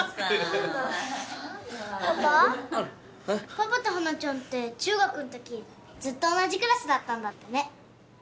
パパと花ちゃんって中学の時ずっと同じクラスだったんだってね。